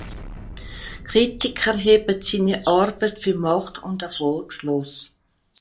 Kritiker halten seine Arbeit für macht- und erfolglos.